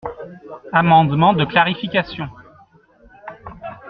Amendement de clarification.